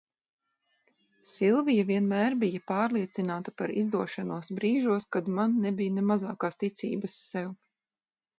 Silvija vienmēr bija pārliecināta par izdošanos brīžos, kad man nebija ne mazākās ticības sev.